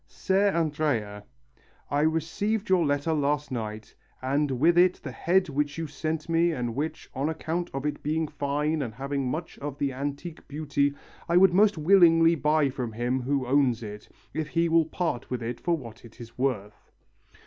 "Ser Andrea, I received your letter last night, and with it the head which you sent me and which, on account of its being fine and having much of the antique beauty, I would most willingly buy from him who owns it, if he will part with it for what it is worth."